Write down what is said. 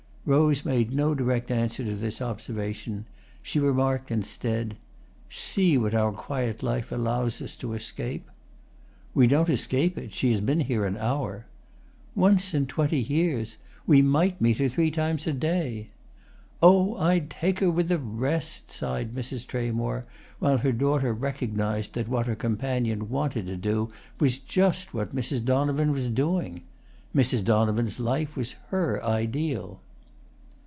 Rose made no direct answer to this observation; she remarked instead: "See what our quiet life allows us to escape." "We don't escape it. She has been here an hour." "Once in twenty years! We might meet her three times a day." "Oh, I'd take her with the rest!" sighed Mrs. Tramore; while her daughter recognised that what her companion wanted to do was just what Mrs. Donovan was doing. Mrs. Donovan's life was her ideal.